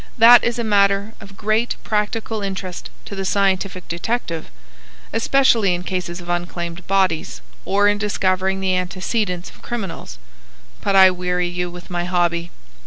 That is a matter of great practical interest to the scientific detective,—especially in cases of unclaimed bodies, or in discovering the antecedents of criminals. But I weary you with my hobby."